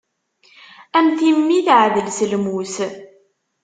A mm timmi teɛdel s lmus.